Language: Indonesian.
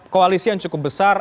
koalisi yang cukup besar